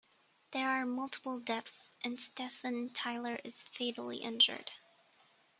There are multiple deaths, and Stephan Tyler is fatally injured.